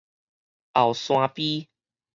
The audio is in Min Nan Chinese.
後山埤